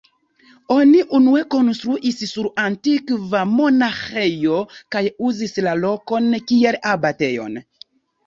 Oni unue konstruis sur antikva monaĥejo kaj uzis la lokon kiel abatejon.